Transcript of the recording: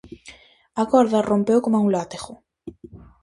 A corda rompeu coma un látego.